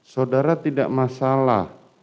saudara tidak masalah